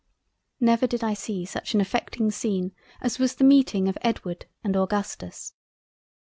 Never did I see such an affecting Scene as was the meeting of Edward and Augustus.